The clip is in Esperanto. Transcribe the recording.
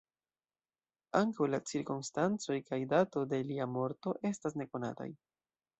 Ankaŭ la cirkonstancoj kaj dato de lia morto estas nekonataj.